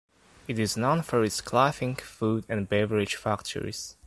It is known for its clothing, food and beverage factories.